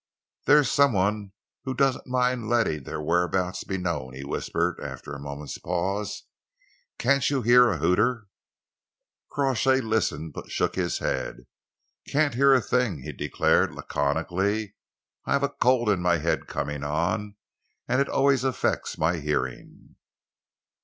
"There's some one who doesn't mind letting their whereabouts be known," he whispered, after a moment's pause. "Can't you hear a hooter?" Crawshay listened but shook his head. "Can't hear a thing," he declared laconically. "I've a cold in my head coming on, and it always affects my hearing."